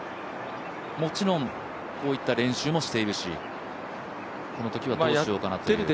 もちろんこういった練習もしているし、このときはどうしようかなという。